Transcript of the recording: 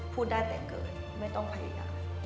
พูดได้แต่เกิดไม่ต้องพยายาม